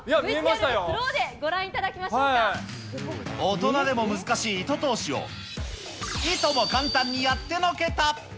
スローでご覧いただきましょ大人でも難しい糸通しを、いとも簡単にやってのけた。